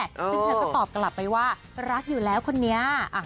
ซึ่งเธอก็ตอบกลับไปว่ารักอยู่แล้วคนนี้